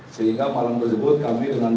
sehingga malam tersebut kami dengan